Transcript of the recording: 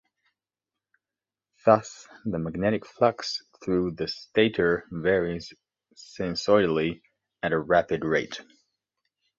Thus the magnetic flux through the stator varies sinusoidally at a rapid rate.